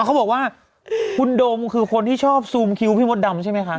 เขาบอกว่าคุณโดมคือคนที่ชอบซูมคิ้วพี่มดดำใช่ไหมคะ